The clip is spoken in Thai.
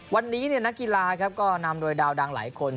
วันนี้นักกีฬาครับก็นำโดยดาวดังหลายคน